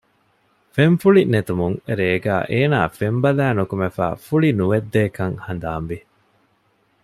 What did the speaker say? ފެންފުޅި ނެތުމުން ރޭގައި އޭނާ ފެން ބަލައި ނުކުމެފައި ފުޅި ނުވެއްދޭކަން ހަނދާންވި